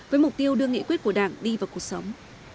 với mục tiêu đưa nghị quyết của đảng đi vào cuộc sống